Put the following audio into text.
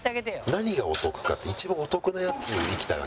何がお得かって一番お得なやついきたいわけ。